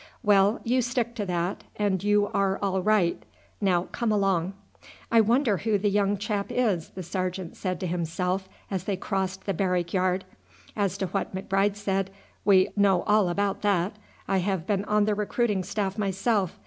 "Well, you stick to that and you are all right. Now, come along." "I wonder who the young chap is," the sergeant said to himself as they crossed the barrack yard. "As to what M'Bride said, we know all about that; I have been on the recruiting staff myself.